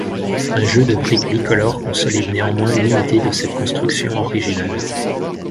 Un jeu de briques bicolores consolide néanmoins l'unité de cette construction originale.